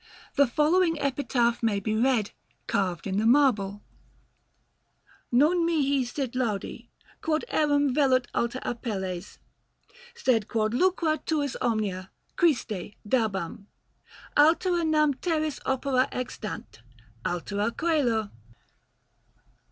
The following epitaph may be read, carved in the marble: NON MIHI SIT LAUDI, QUOD ERAM VELUT ALTER APELLES, SED QUOD LUCRA TUIS OMNIA, CHRISTE, DABAM; ALTERA NAM TERRIS OPERA EXTANT, ALTERA C[OE]LO.